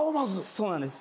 そうなんです。